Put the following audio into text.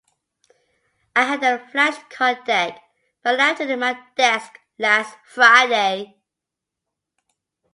I had a flashcard deck, but I left it in my desk last Friday.